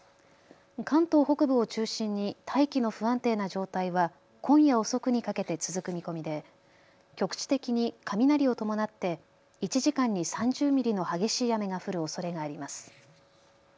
関東北部を中心に大気の不安定な状態は今夜遅くにかけて続く見込みで局地的に雷を伴って１時間に３０ミリの激しい雨が降るおそれがあります。